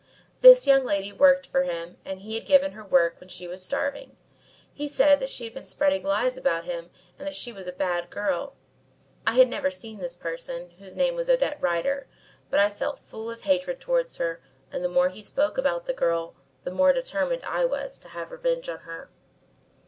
This young lady worked for him and he had given her work when she was starving. He said that she had been spreading lies about him and that she was a bad girl. I had never seen this person, whose name was Odette Rider, but I felt full of hatred towards her, and the more he spoke about the girl the more determined I was to have revenge on her.